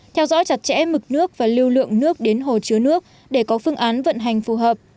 theo dõi chặt chẽ mực nước và lưu lượng nước đến hồ chứa nước để có phương án vận hành phù hợp